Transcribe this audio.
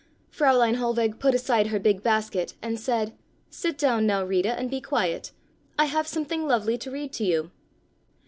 Fräulein Hohlweg put aside her big basket and said: "Sit down now, Rita, and be quiet. I have something lovely to read to you."